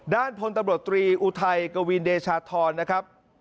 พลตำรวจตรีอุทัยกวินเดชาธรนะครับ